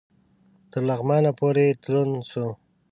تر لغمانه پوري تلون سو